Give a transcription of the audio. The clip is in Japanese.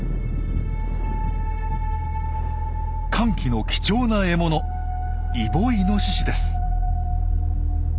乾季の貴重な獲物イボイノシシです。